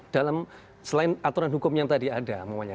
dalam selain aturan hukum yang tadi ada